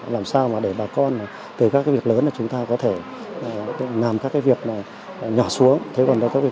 làm sao mà để bà con từ các việc lớn là chúng ta có thể làm các việc nhỏ xuống thế còn các việc